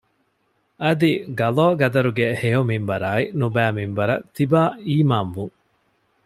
އަދި ޤަޟާ ޤަދަރުގެ ހެޔޮ މިންވަރާއި ނުބައި މިންވަރަށް ތިބާ އީމާން ވުން